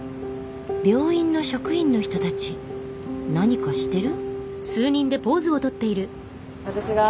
病院の職員の人たち何かしてる？